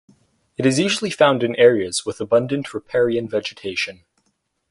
It is usually found in areas with abundant riparian vegetation.